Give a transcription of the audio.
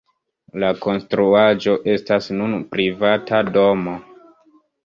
La konstruaĵo estas nun privata domo.